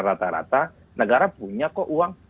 rata rata negara punya kok uang